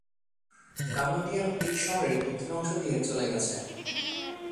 Canadian Creek শহরের দক্ষিণ অংশ দিয়ে চলে গেছে।